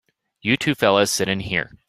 You two fellas sit in here.